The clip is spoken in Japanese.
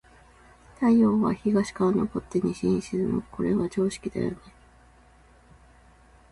太陽は、東から昇って西に沈む。これは常識だよね。